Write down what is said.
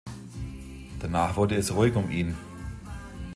Danach wurde es ruhig um ihn.